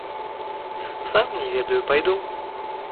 Сам не ведаю, пайду.